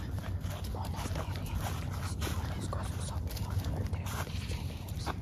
მონასტერი ეკუთვნის იუნესკოს მსოფლიო მემკვიდრეობის ძეგლებს.